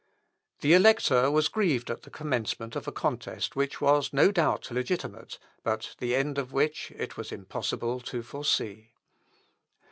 The Elector was grieved at the commencement of a contest which was no doubt legitimate, but the end of which it was impossible to foresee.